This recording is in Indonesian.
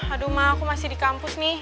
aduh ma aku masih di kampus nih